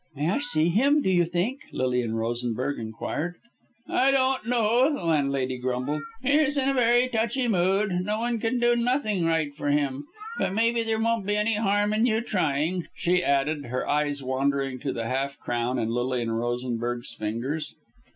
"May I see him, do you think?" Lilian Rosenberg inquired. "I don't know," the landlady grumbled. "He's in a very touchy mood no one can do nothing right for him. But maybe there won't be any harm in your trying," she added, her eyes wandering to the half crown in Lilian Rosenberg's fingers.